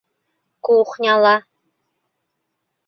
Кухняла?